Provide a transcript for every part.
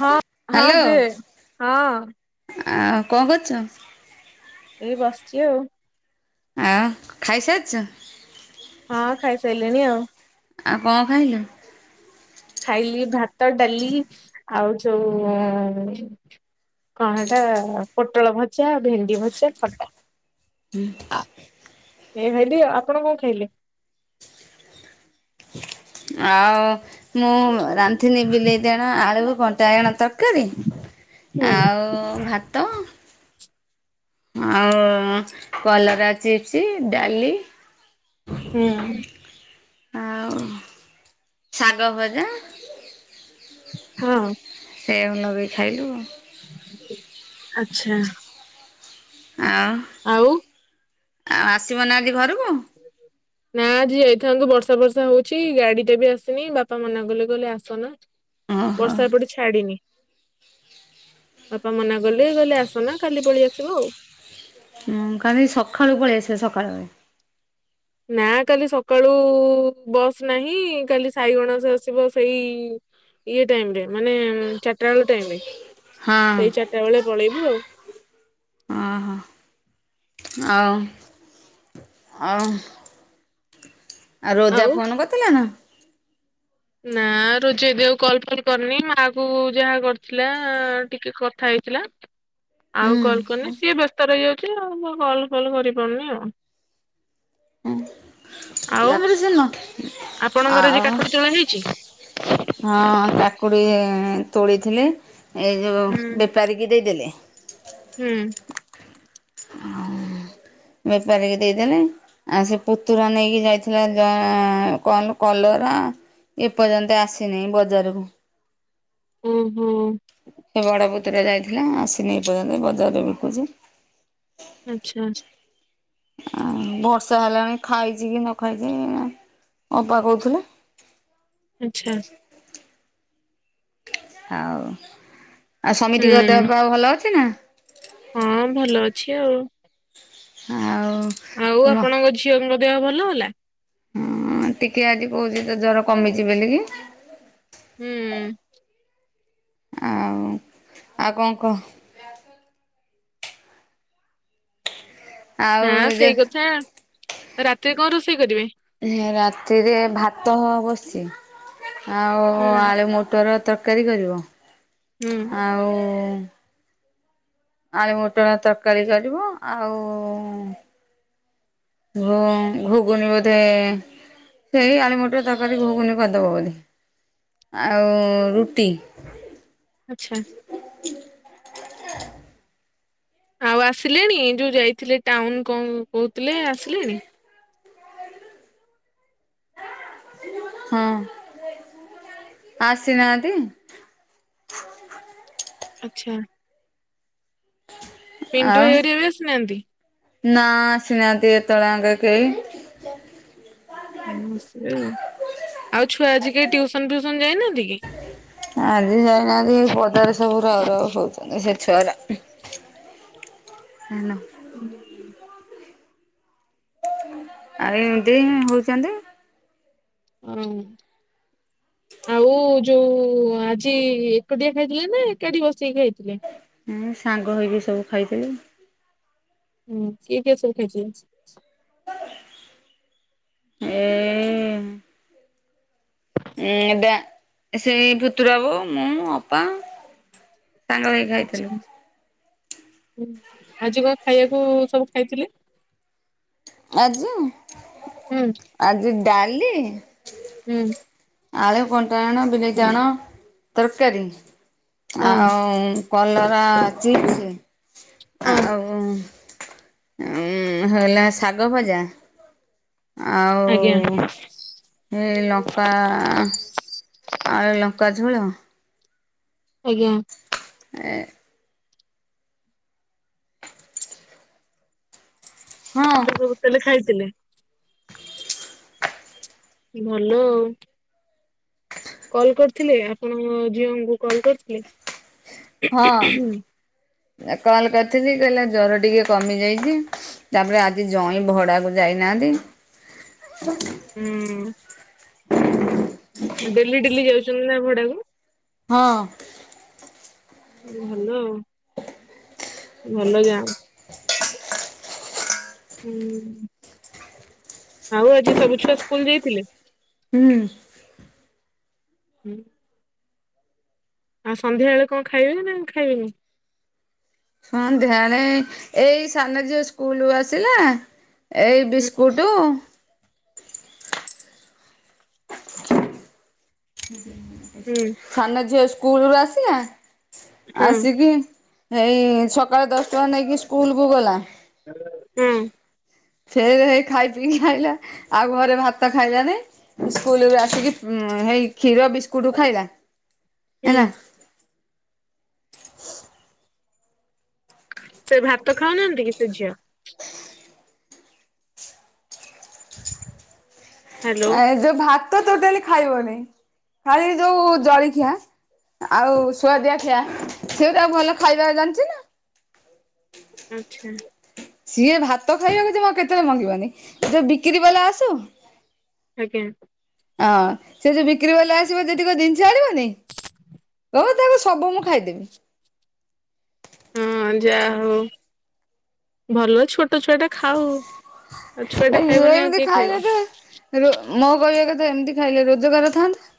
ହଁ ହଁ ଦେ ହଁ। ଆ କଣ କରୁଚ? ଏଇ ବସିଚି ଆଉ। ଆ ଖାଇସାରିଚ? ହଁ ଖାଇସାରିଲିଣି ଆଉ। ଆଉ କଣ ଖାଇଲ? ଖାଇଲି ଭାତ, ଡାଲି ଆଉ ଯୋଉ କଣ ହେଟା ପୋଟଳ ଭଜା, ଭେଣ୍ଡି ଭଜା, ଖଟା। ହୁଁ। [unintelligible] ଆପଣ କଣ ଖାଇଲେ? ଆଉ ମୁଁ ରାନ୍ଧିନି ବିଲେଇତିବାଇଗଣ, ଆଳୁ, କଣ୍ଟା ବାଇଗଣ ତରକାରୀ। ହୁଁ ଆଉ ଭା ଆଉ କଲରା ଚିପ୍ସ ଡାଲି [unintelligible] ଆଉ ଶାଗ ଭଜା। ହଁ। ସେଇଆକୁ ଲଗେଇକି ଖାଇଲୁ ଆଉ। ଆଚ୍ଛା। ଆଉ ଆଉ ଆଉ ଆସିବ ନା ଆଜି ଘରକୁ? ହୁ ହୁଁ। ନା ଆଜି ଯାଇଥାନ୍ତୁ ବର୍ଷା ବର୍ଷା ହଉଚି ଗାଡି ଟା ବି ଆସିନି, ବାପା ମନା କଲେ କହିଲେ ଆସନା। ଓହୋ ବର୍ଷା ଏପଟେ ଛାଡିନି। ବାପା ମନା କଲେ କହିଲେ ଆସନା କାଲି ପଳେଇ ଆସିବ ଆଉ। ହଁ କାଲି ସଖାଳୁ ପଳେଇ ଆସିବେ ସକାଳ ଓଳିଆ। ନା କାଲି ସକାଳୁ ବସ୍ ନାହିଁ କାଲି ସାଇଗଣସ ଆସିବ ସେଇ ଇଏ ଟାଇମ୍ ରେ ମାନେ ଚାରିଟା ବେଳ ଟାଇମରେ ହଁ ସେଇ ଚାରିଟା ବେଳେ ପଳେଇବୁ ଆଉ। ଅଁ ହଁ ଆଉ। ଆ ଆଉ ରୋଜା ଆଉ ଫୋନ କରିଥିଲା ନା। ନା ରୋଜ ଏବେ ଆଉ କଲ ଫଲ କରିନି ମାକୁ ଯାହା କରିଥିଲା ଟିକେ କଥା ହେଇ ଥିଲା। ଆଉ କଲ୍ ହୁଁ କରିନି ସିଏ ବ୍ୟସ୍ତ ରହିଯାଉଛି ଆଉ ମୁ କଲ୍ ଫଲ୍ କରିପାରୁନି ଆଉ। ହ [inaudible] ପଛନ [unintelligible] ଆପଣଙ୍କର ରିକାର୍ଡ ପରିଚୟ ହେଇଛି। ହଁ କାକୁଡ଼ି ତୋଳିଥିଲେ ଏ ଯେଉଁ ହୁଁ ବେପାରିକି ଦେଇଦେଲେ। ହୁଁ। ହଁ ବେପାରିକି ଦେଇଦେଲେ। ଆଉ ସେ ପୁତୁରା ନେଇକି ଯାଇଥିଲା ଜ କଣ କଲରା। ଏପର୍ଯ୍ୟନ୍ତ ଆସିନି ବଜାରକୁ। ଓ ହୋ। ସେ ବଡ ପୁତ୍ ପୁତୁରା ଯାଇଥିଲା ଆସିନି ଏପର୍ଯ୍ୟନ୍ତ ବଜାରରେ ବିକୁଛି। ଆଚ୍ଛା। ଆଉ ବର୍ଷା ହେଲାଣି ଖାଇଚି କି ନ ଖାଇଚି ଅପା କହୁଥିଲେ। ଆଚ୍ଛା। ଆଉ ଆ ସମିତିକ ହୁଁ ଦେହ ପା ଭଲ ଅଛି ନା। ହଁ ଭଲ ଅଛି ଆଉ। ଆଉ। ଆଉ ଆପଣଙ୍କ ଝିଅଙ୍କ ଦେହ ଭଲ ହେଲା। ହଁ ଟିକେ ଆଜି କହୁଚି ତ ଜର କମିଚି ବୋଲି କି। ହୁଁ। ଆଉ ଆଉ କଣ କହ। ଆଉ ନା ସେଇ କଥା ରାତିରେ କଣ ରୋଷେଇ କରିବେ। ରାତିରେ ଭାତ ବସିଚି ଆଉ ହୁଁ ଆଳୁ ମଟର ତର କାରୀ କରିବ। ହୁଁ। ଆଉ। ଆଳୁ ମଟର ତରକାରୀ କରିବୁ ଆଉ ଘୁ ଘୁଗୁନି ବଧେ। ସେଇ ଆଳୁମଟର ତରକାରୀ ଘୁଗୁନି କରିଦବ ବୋଧେ ଆଉ ରୁଟି। ଆଚ୍ଛା। ଆଉ ଆସିଲେଣି ଯୋଉ ଯାଇଥିଲେ ଟାଉନ ଙ୍କୁ କହୁଥିଲେ ଆସିଲେଣି। ହଁ ଆସିନାହାନ୍ତି। ଆଚ୍ଛା। ପିଣ୍ଟୁ ଆଉ ଭାଇ ହରିଆ ଆସିନାହାନ୍ତି। ନା ଆସିନାହାନ୍ତି ଏତେବେଳେ ଆଙ୍କେ କେହି। ହୁଁ ସେଆ ଆଉ ଛୁଆ ଆଜି କେହି ଟିଉସନ ଫିଉସନ୍ ଯାଇନାହାନ୍ତି କି? ଆଜି ଯାଇନାହାନ୍ତି, ଏଇ ପଦାରେ ସବୁ ରାଉ ରାଉ ହଉଛନ୍ତି ସେ ଛୁଆରା। ହ୍ୟାନୋ। ହୁଁ। ଆଉ ଏମିତି ହଉଚନ୍ତି। ଅଁ। ଆଉ ଯୋଉ ଆଜି ଏକୁଟିିଆ ଖାଇଥିଲେ ନା ଏକାଠି ବସିକି ଖାଇଥିଲେ? ଉଁ ସାଙ୍ଗ ହେଇକି ସବୁ ଖାଇଥିଲୁ। ହୁଁ କିଏ କିଏ ସବୁ ଖାଇଥିଲ? ଏ ଏ ଡା ସେଇ ପୁତୁରା ବୋଉ ମୁଁ ଅପା। ସାଙ୍ଗ ହେଇକି ଖାଇଥିଲୁ। ଆଚ୍ଛା ହଁ ଆଜି କଣ ଖାଇବାକୁ ସବୁ ଖାଇଥିଲେ? ଆଜି ହୁଁ ଆଜି ଡାଲି ହୁଁ। ଆଳୁ କଣ୍ଟା ବାଇଗଣ ବିଲାତି ବାଗଗଣ ତରକାରୀ ହଁ ଆଉ କଲରା ଚିପ୍ସି ହଁ ଆଉ ଉଁ ହେଲା ଶାଗ ଭଜା ଆଜ୍ଞା ଆଉ ଏ ଲଙ୍କା ଆଉ ଏ ଲଙ୍କା ଝୋଳ। ଆଜ୍ଞା। ଏ ହଁ ଏତେ ସବୁ ତାଲେ ଖାଇଥିଲେ? ଭଲ ଆଉ। କଲ୍ କରିଥିଲେ ଆପଣଙ୍କ ଝିଅଙ୍କୁ କଲ୍ କରିଥିଲେ? ହଁ ଏ କଲ୍ କରିଥିଲି କହିଲା ଜର ଟିକେ କମି ଯାଇଚି। ତାପରେ ଆଜି ଜଇଁ ଭଡାକୁ ଯାଇନାହାଁନ୍ତି। ହୁଁ। ଡେଲି ଡେଲି ଯାଉଛନ୍ତି ନା ଭଡାକୁ? ହଁ। ଭଲ ଆଉ ଭଲ ଯା ହୁଁ। ଆଉ ଆଜି ସବୁ ଛୁଆ ସ୍କୁଲ ଯାଇଥିଲେ? ହୁଁ। ହୁଁ। ଆଉ ସନ୍ଧ୍ୟା ବେଳେ କଣ ଖାଇବେ ନା ଖାଇବେନି? ସନ୍ଧ୍ୟା ବେଳେ ଏଇ ସାନ ଝିଅ ସ୍କୁଲୁ ଆସିଲା ଏଇ ହୁଁ ବିସ୍କୁଟୁ [inaudible] [unintelligible] ହୁଁ। ସାନ ଝିଅ ସ୍କୁଲରୁୁ ଆସିଲା ହଁ ଆସିକି ହେଇ ସକାଳେ ଦଶ ଟଙ୍କା ନେଇକି ସ୍କୁଲକୁ ଗଲା। ହୁଁ। ସେ ହେଇ ଖାଇ ପିଇକି ଆଇଲା ଆଉ ଘରେ ଭାତ ଖାଇଲା ନାଇଁ। ସ୍କୁଲରୁ ଆସିକି ଉଁ ହେଇ କ୍ଷୀର ବିସ୍କୁଟ ଖାଇଲା ହୁଁ ହେଲା। ସେ ଭାତ ଖାଉ ନାହାଁନ୍ତି କି ସେ ଝିଅ? ହ୍ୟାଲୋ ଏ ଯୋଉ ଭାତ ଟୋଟାଲି ଖାଇବନି ଖାଲି ଯୋଉ ଜଳିଖିଆ। ଆଉ ସୁୁଆଦିଆଖିଆ ସେଉରା ଭଲ ଖାଇବାକୁ ଜାଣିଛି ନା। ଆଚ୍ଛା। ସିଏ ଭାତ ଖାଇବାକୁ ଜମା କେତେବେଳେ ମଙ୍ଗିବନି ଯ ବିକ୍ରି ବାଲା ଆସୁ ଆଜ୍ଞା। ହଁ ସେ ଯୋଉ ବିକ୍ରି ବାଲା ଆସିବ ଯେତୀକ ଜିନିଷ ଆଣିବନି କହିବ ତାକୁ ସବୁ ମୁଁ ଖାଇଦେବି। ହଁ ଯା ହଉ ଭଲ ଛୋଟ ଛୁଆଟା। ଖାଉ ଆଉ ଛୁଆ ଟା ଖାଇବନି ଆଉ ଏମିତି କିଏ ଖାଇଲେ ଖାଇବ? ତ ମୋ କହିବା କଥା ଏମିତି ଖାଇଲେ ରୋଜଗାର ଥାନ୍ତା।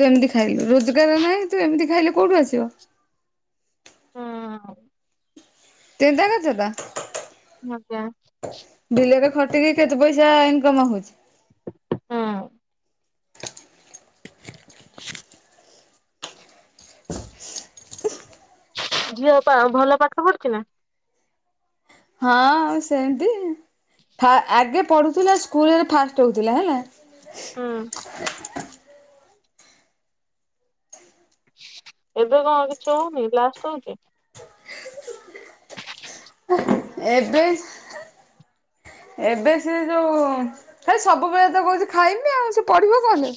ତୁ ଏମିତି ଖାଇଲୁ ରୋଜଗାର ନାହିଁ ତୁ ଏମିତି ଖାଇଲେ କୋଉଠୁ ଆସିବ। ହଁ। [unintelligible] ଆଜ୍ଞା। ବିଲରେ ଖଟିକି କେତେ ପଇସା ଇନକମ ହଉଛି? ହୁଁ। ଝିଅ ପା ଭଲ ପାଠ ପଢୁଚି ନା? ହଁ ସେମିତି ଆଗେ ପଢ଼ୁଥିଲା ସ୍କୁଲରେ ଫାଷ୍ଟ ହେଉଥିଲା ହେଲା। ହୁଁ। ଏବେ କଅଁ କିଛି ହଉନି ଲାଷ୍ଟ ହଉଛି। ଏବେ ଏବେ ସିଏ ଯୋଉ ହେ ସବୁବେଳେ ତ କହୁଛି ଖାଇମି ଆଉ ସେ ପଢ଼ିବ କଣ ଲୋ।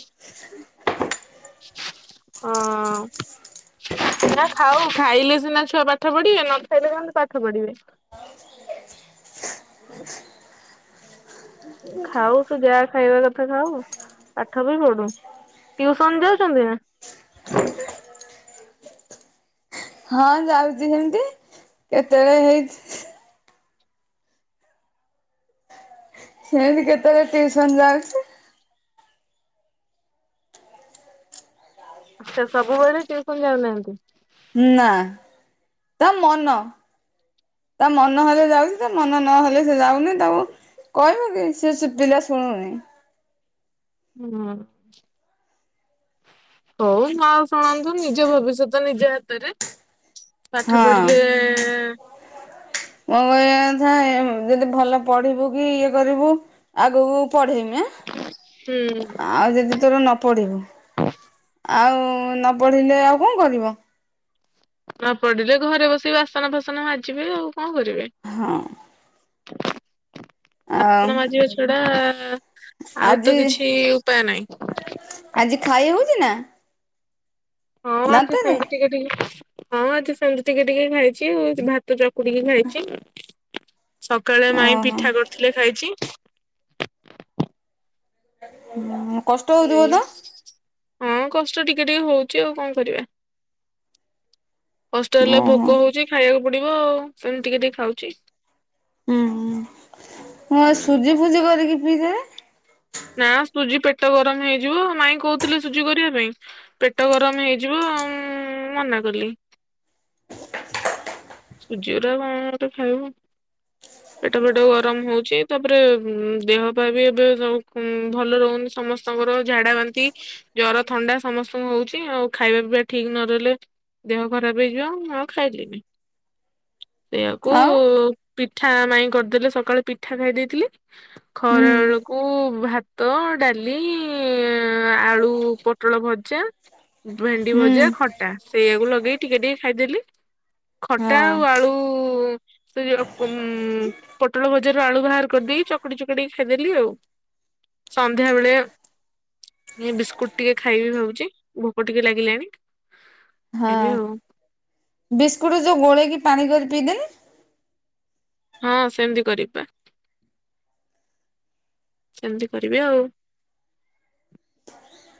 ହଁ। ନା ଖାଉ ଖାଇଲେ ସିନା ଛୁଆ ପାଠ ପଢିବେ ନ ଖାଇଲେ କଣ ପାଠ ପଢିବେ। ଖାଉ ତୁ ଯାହା ଖାଇବା କଥା ଖାଉ ପାଠ ବି ପଢୁ। ଟ୍ୟୁସନ୍ ଯାଉଚନ୍ତି ନା। ହଁ ଯାଉଛି ସେମିତି କେତେବେଳେ ହେଇଛି ସେନ୍ତି କେତେବେଳେ ଟିଉସନ ଯାଉଛି। ସେ ସବୁବେଳେ ଟିଉସନ ଯାଉନାହାନ୍ତି? ନା ତା ମନ। ତା ମନ ହେଲେ ଯାଉଛି ତା ମନ ନହଲେ ସେ ଯାଉନି ତାକୁ- କହିବ କି ସେ ଶ ପିଲା ଶୁଣୁନି। ହୁଁ ହଉ। ହଁ ଶୁଣନ୍ତୁ ନିଜ ଭବିଷ୍ୟତ ନିଜ ହାତରେ ପାଠ ହଁ ପଢିଲେ- ମୋ କୁହିଆ କଥା ଯଦି ଭଲ ପଢିବୁ କି ଇଏ କରିବୁ ଆଗକୁ ପଢେଇମି ଆଁ ହୁଁ ଆଉ ଯଦି ତୋର ନ ପଢିବୁ ଆଉ ନ ପଢ଼ିଲେ ଆଉ କଅଁ କରିବ। ନ ପଡିଲେ ଘରେ ବସିକ ବାସନ ଫାସନ ମାଜିବେ ଆଉ କଅଁ କରିବେ। ହଁ। ଆଉ ବାସନ ମାଜିବା ଛଡା ଆଉ ଆଜି ତ କିଛି ଉପାୟ ନାହିଁ। ଆଜି ଖାଇ ହଉଛି ନା? ହଁ ଆଜି ଦାନ୍ତରେ ସେମିତି ଟିକେ ଟିକେ ହଁଆଜି ସେମିତି ଟିକେ ଟିକେ ଖାଇଛି ଭାତ ଚକୁଡ଼ିକି ଖାଇଛି। ସକାଳେ ମାଇଁ ଓହୋ ପିଠା କରିଥିଲେ ଖାଇଚି। ନା। ଏଇ ହଁ କଷ୍ଟ ଟିକେ ଟିକେ ହଉଚି ଆଉ କଣ କରିବା। ହଷ୍ଟେ ହେଲେ ଓହୋ ଭୋକ ହଉଚି ଖାଇବାକୁ ପଡ଼ିବ ଆଉ ସେମିତିି ଟିକେ ଟିକେ ଖାଉଚି। ଉଁ ହଁ ହଁ ହୁଁ ସୁଜି ଫୁଜି କରିକି ପିଇ ଦେବେ। ନା ସୁଜି ପେଟ ଗରମ ହେଇଯିବ ମାଇଁ କହୁଥିଲେ ସୁଜି କରିବା ପାଇଁ ପେଟ ଗରମ ହେଇଯିବ ଉଁ ମନା କଲି। ସୁଜିଗୁରା କଣ ଗୋଟେ ଖାଇବୁ? ପେଟ ଫେଟ ଗରମ ହଉଚି ତାପରେ ଦେହ ପାଇଁ ବି ଏବେ ଭଲ ରହୁନି ସମ ସମସ୍ତଙ୍କର ଝାଡା ବାନ୍ତି ଜର ଥଣ୍ଡା ସମସ୍ତଙ୍କୁ ହଉଚି ଆଉ ଖାଇବା ପିଇବା ଠିକ୍ ନରହିଲେ ଦେହ ଖରାପ୍ ହେଇଯିବ ମୁଁ ଆଉ ଖାଇଲିନି। ସେଇଆକୁ ଆଉ ପିଠା ମାଇଁ କରିଦେଲେ ସକାଳେ ପିଠା ଖାଇ ଦେଇଥିଲି। ହୁଁ ଖରାବେଳକୁ କୁ ଭାତ ଡ଼ାଲି ଆଳୁ ପୋଟଳ ଭଜା ଭେଣ୍ଡି ହୁଁ ଭଜା ଖଟା ସେଇଆକୁ ଲଗେଇକି ଟିକେ ଟିକେ ଖାଇଦେଲି। ଖଟା ହଁ ଆଉ ଆଳୁ ସେ ପମ୍ ପୋଟଳ ଭଜାରୁ ଆଳୁ ବାହାର କରିଦେଇ ଚକଡି ଚକଡି ଖାଇଦେଲି ଆଉ। ସନ୍ଧ୍ୟାବେଳେ ଏଇ ବିସ୍କୁଟ୍ ଟିକେ ଖାଇବି ଭାବୁଚି ଭୋକ ଟିକେ ଲାଗିଲାଣି। ହଁ ଖାଇବି ଆଉ। ବିସ୍କୁଟ ଯୋଉ ଗୋଳେଇକି ପାଣି କରି ପିଇଦେନି। ହଁ ସେମିତି କରିପା। ସେମିତି କରିବି ଆଉ।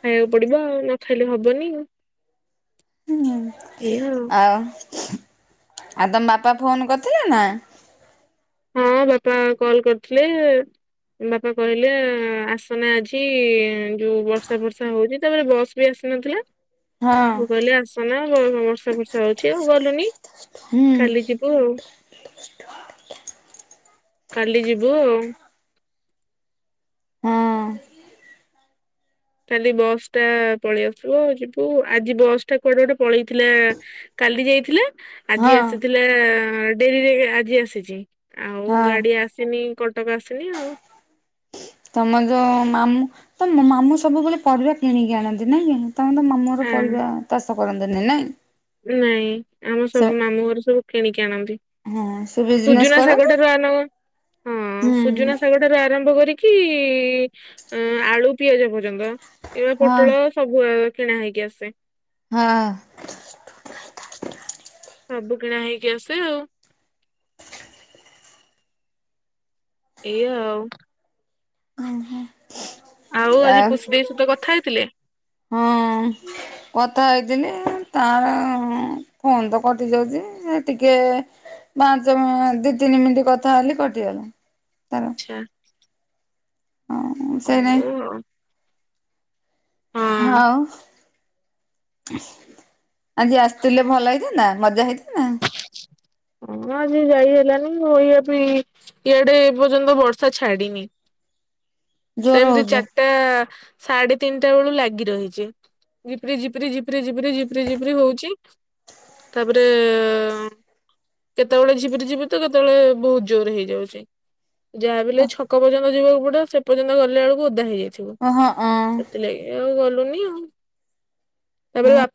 ଖାଇବାକୁ ପଡ଼ିବ ଆଉ ନଖାଇଲେ ହବନି। ଏଇ ହଉ। ଆଉ ଆଉ ତମ ବାପା ଫୋନ୍ କରିଥିଲେ ନା? ହଁ ବାପା କଲ୍ କରିଥିଲେ। ବାପା କହିଲେ ଆସନା ଆଜି ଯୋଉ ବର୍ଷା ବର୍ଷା ହଉଚି ତାପରେ ବସ୍ ବି ଆସିନଥିଲା। ହଁ ମୁଁ କହିଲି ଆସନା ବର୍ଷା ଫର୍ଷା ହଉଚି ଆଉ ଗଲୁନି ହୁଁ କାଲି ଯି ଓ କାଲି ଯିବୁ ଆଉ। ହଁ କାଲି ବସ୍ ଟା ପଳେଇ ଆସିବ ଯିବୁ ଆଜି ବସ୍ ଟା କୁଆଡ଼େ ଗୋଟେ ପଳେଇଥିଲା। କାଲି ଯାଇଥିଲା। ହଁ ଆଜି ଆସିଥିଲା ଡେରିରେ ଆଜି ଆସିଛି ଆଉ ହଁ ଗାଡ଼ି ଆସିନି କ କଟକ ଆସିନି ଆଉ। ତମର ଯ ମାମୁଁ ତମ ମାମୁଁ ସବୁବେଳେ ପରିବା କିଣିକି ଆଣନ୍ତି ନାଇଁକି ତମେ ତ ମାମୁ ତମର ଆ ପରିବା ଚାଷ କରନ୍ତିନି ନାଇଁ। ନାଇଁ ଆମ ସେ ସବୁ ମାମୁଁ ଘର ସବୁ କିଣିକି ଆଣନ୍ତି। ହଁ ସେ ବିଜନେସ୍ ସୁଜୁନା କରନ୍ତି ସାଗଠାରୁ ଆ ହଁ ହୁଁ ସୁଜନା ସାଗ ଠାରୁ ଆରମ୍ଭ କରିକି ଅଁ ଆଳୁ ପିଆଜ ପର୍ଯ୍ୟନ୍ତ ଏରା ହଁ ପୁଟଳ ସବୁ ଆମ କିଣା ହେଇକି ଆସେ। ହଁ। ସବୁ କିଣା ହେଇକି ଆସେ ଆଉ। ଏଇ ୟା ଆଉ। ଆଉ ଆଜି ପୁଷ୍ଡେ ଭାଇ ସହିତ କଥା ହେଇଥିଲେ। ହଁ। କଥା ହେଇଥିଲି ତାର ଫୋନ ତ କଟି ଯାଉଛି ସେ ଟିକେ। ପାଞ୍ଚ ଦି ତିନି ମିନିଟ କଥା ହେଲି କଟିଗଲା ତାର। ହଁ। ହଁ ସେଇ ନାଇଁ [unintelligible] ହଁ ଆଉ। ଆଜି ଆସିଥିଲେ ଭଲ ହେଇଥାନ୍ତା ମଜା ହେଇଥାନ୍ତା ହଁ ଆଜି ଯାଇ ହେଲାନି ମୁଁ ଏଇଆ ବି ଇଆଡେ ଏପର୍ଯ୍ୟନ୍ତ ବର୍ଷା ଛାଡିିନି। ଜୋର ସେମିତି ହଉଛି ଚା। ସାଢେ ତିନିଟା ବେଳୁ ଲାଗି ରହିଛି ଜିପରି ଜିପରି ଜିପରି ଜିପରି ଜିପରିିି ଜିପ୍ରି ହଉଛି ତାପରେ। କେତେବେଳେ ଜିପରି ଜିପରି ତ କେତେବେଳେ ବହୁତ ଜୋର ହେଇଯାଉଛି। ଯାହାବି ହେଲେ ଛକ ପର୍ଯ୍ୟନ୍ତ ଯିବାକୁ ପଡିବ ସେ ପର୍ଯ୍ୟନ୍ତ ଗଲା ବେଳକୁ ଓଦା ହେଇଯାଉଏ। ଓହଁ ଅଁ ସେଥିଲାଗି ଆଉ ଗଲୁନି ଆଉ ତାପରେ ବାପା